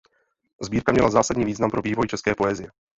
Sbírka měla zásadní význam pro vývoj české poezie.